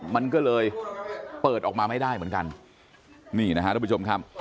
มันก็เลยเปิดออกมาไม่ได้เหมือนกันนี่นะฮะทุกผู้ชมครับ